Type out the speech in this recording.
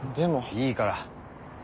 いいから。